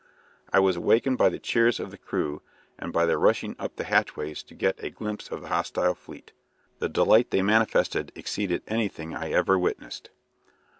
I was awakened by the cheers of the crew and by their rushing up the hatchways to get a glimpse of the hostile fleet. The delight they manifested exceeded anything I ever witnessed."